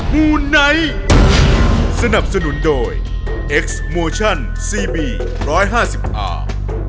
มูไนท์สนับสนุนโดยเอ็กซ์โมชั่นซีบีร้อยห้าสิบอ่า